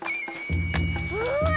うわ！